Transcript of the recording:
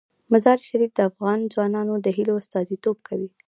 مزارشریف د افغان ځوانانو د هیلو استازیتوب کوي.